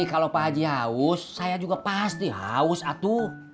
kalau pak haji haus saya juga pasti haus atuh